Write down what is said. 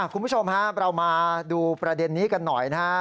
คุณผู้ชมเรามาดูประเด็นนี้กันหน่อยนะครับ